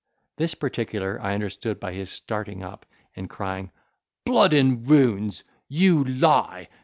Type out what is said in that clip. This particular I understood by his starting, up and crying, "Blood and wounds, you lie!